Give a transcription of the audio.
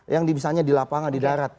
yang misalnya di lapangan di darat